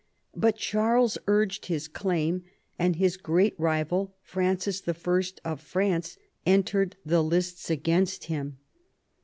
But Charles urged his claim, and his great rival, Francis L of France, entered the lists against him.